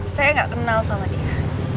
saya nggak kenal sama dia